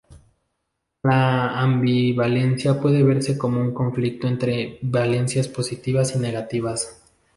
La ambivalencia puede verse como un conflicto entre valencias positivas y negativas.